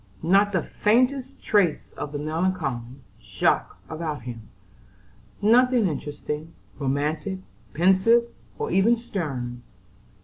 Not the faintest trace of the melancholy Jaques about him; nothing interesting, romantic, pensive, or even stern.